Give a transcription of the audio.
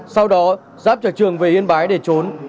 sau đó giáp trở trường về yên bái để trốn